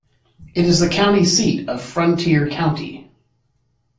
It is the county seat of Frontier County.